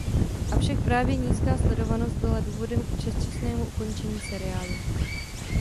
Avšak právě nízká sledovanost byla důvodem k předčasnému ukončení seriálu.